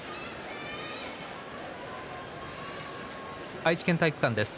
愛知県体育館です。